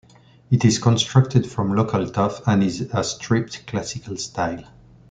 It is constructed from local tuff and is a stripped classical style.